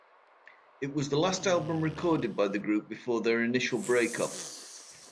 It was the last album recorded by the group before their initial breakup.